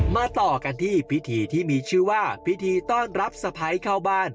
ต่อกันที่พิธีที่มีชื่อว่าพิธีต้อนรับสะพ้ายเข้าบ้าน